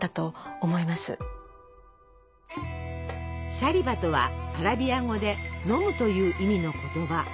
「シャリバ」とはアラビア語で「飲む」という意味の言葉。